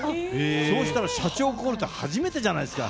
そうしたら、社長コールって初めてじゃないですか。